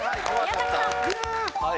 宮崎さん。